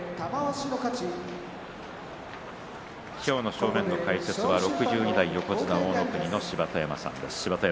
正面の解説は６２代横綱の大乃国、芝田山さんです。